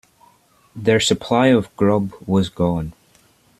Their supply of grub was gone.